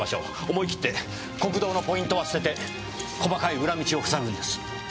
思い切って国道のポイントは捨てて細かい裏道を塞ぐんです。